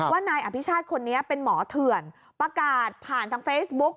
นายอภิชาติคนนี้เป็นหมอเถื่อนประกาศผ่านทางเฟซบุ๊ก